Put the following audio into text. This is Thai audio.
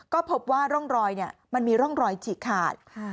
ก็พบว่าร่องรอยมันมีร่องรอยฉีกขาด